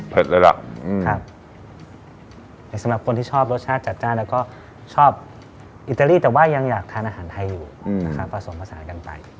เลยล่ะครับแต่สำหรับคนที่ชอบรสชาติจัดจ้านแล้วก็ชอบอิตาลีแต่ว่ายังอยากทานอาหารไทยอยู่นะครับผสมผสานกันไป